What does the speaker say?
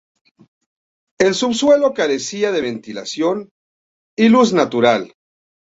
El subsuelo carecía de ventilación y luz natural.